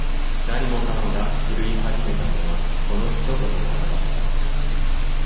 何もかもが狂い始めたのは、この一言からだった。